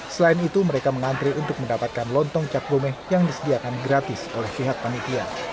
selain itu mereka mengantre untuk mendapatkan lontong cap gomeh yang disediakan gratis oleh pihak panitia